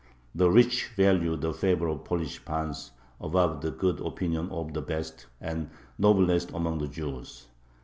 The rich value the favor of the Polish pans above the good opinion of the best and noblest among the Jews.